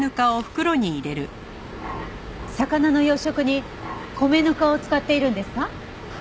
魚の養殖に米ぬかを使っているんですか？